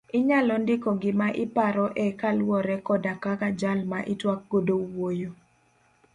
Inyalo ndiko gima iparo e kaluowore koda kaka jal ma itwak godo wuoyo.